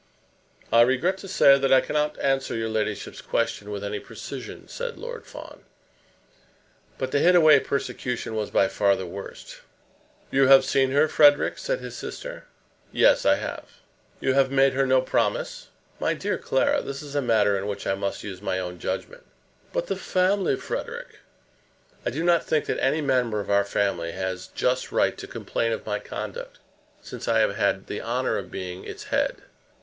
"I regret to say that I cannot answer your ladyship's question with any precision," said Lord Fawn. But the Hittaway persecution was by far the worst. "You have seen her, Frederic?" said his sister. "Yes, I have." "You have made her no promise?" "My dear Clara, this is a matter in which I must use my own judgment." "But the family, Frederic?" "I do not think that any member of our family has a just right to complain of my conduct since I have had the honour of being its head.